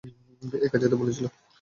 একা যেতে বলেছিল।